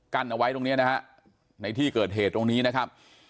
เอาไว้ตรงนี้นะฮะในที่เกิดเหตุตรงนี้นะครับ